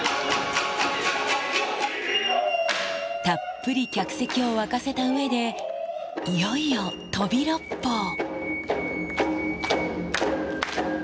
たっぷり客席を沸かせたうえで、いよいよ飛び六方。